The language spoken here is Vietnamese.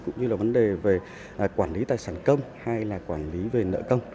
cũng như là vấn đề về quản lý tài sản công hay là quản lý về nợ công